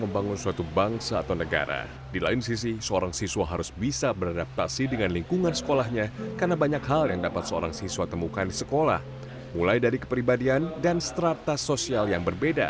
bagaimana cara pendidikan berperan penting